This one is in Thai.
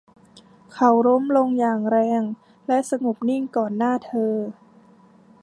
เขาล้มลงอย่างแรงและสงบนิ่งก่อนหน้าเธอ